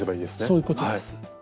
そういうことです。